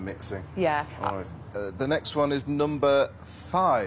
はい。